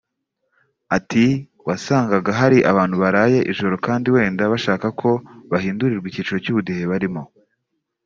Ati “Wasangaga hari abantu baraye ijoro kandi wenda bashaka ko bahindurirwa icyiciro cy’ubudehe barimo